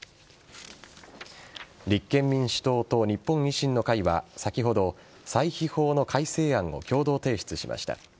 立憲民主党と日本維新の会は先ほど歳費法の改正案を共同提出しました。